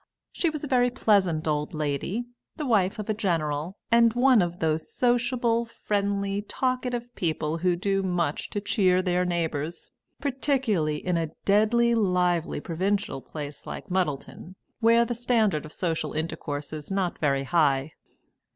She was a very pleasant old lady, the wife of a General, and one of those sociable, friendly, talkative people who do much to cheer their neighbours, particularly in a deadly lively provincial place like Muddleton, where the standard of social intercourse is not very high.